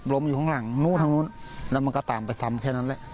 อยู่ข้างหลังนู้นทางนู้นแล้วมันก็ตามไปซ้ำแค่นั้นแหละ